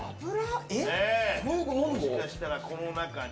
もしかしたら、この中に？